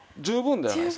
十分！